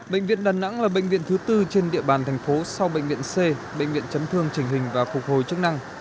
bệnh viện đà nẵng là bệnh viện thứ tư trên địa bàn thành phố sau bệnh viện c bệnh viện chấn thương trình hình và phục hồi chức năng